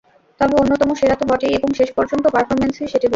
তবে অন্যতম সেরা তো বটেই এবং শেষ পর্যন্ত পারফরম্যান্সই সেটি বলবে।